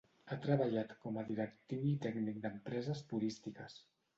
Ha treballat com a directiu i tècnic d'empreses turístiques.